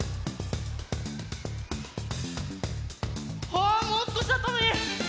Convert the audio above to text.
あもうすこしだったのに！